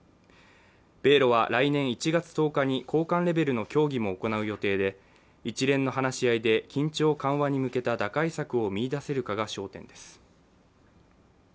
米ロは来年１月１０日に高官レベルの協議も行う予定で一連の話し合いで緊張緩和に向けた打開策が見出せるかが焦点です。